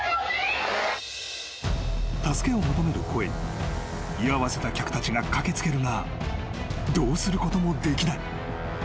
［助けを求める声に居合わせた客たちが駆け付けるがどうすることもできない］